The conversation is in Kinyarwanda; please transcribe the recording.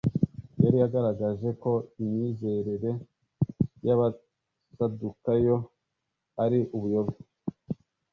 Yari agaragaje ko imyizerere y'abasadukayo ari ubuyobe.